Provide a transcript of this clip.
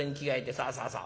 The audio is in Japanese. そうそうそう。